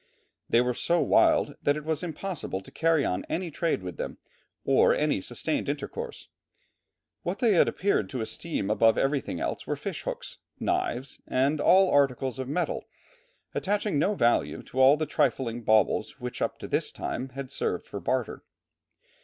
They were so wild that it was impossible to carry on any trade with them, or any sustained intercourse. What they appeared to esteem above everything else were fish hooks, knives, and all articles in metal, attaching no value to all the trifling baubles which up to this time had served for barter.